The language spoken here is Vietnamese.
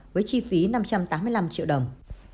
với chi phí năm trăm tám mươi năm triệu đồng